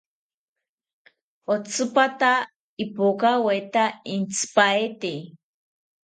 Otsipata ipokaweta intzipaete